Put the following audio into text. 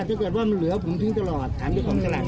ของพวกนี้ข้างคืนไม่ได้